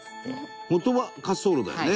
元は滑走路だよね？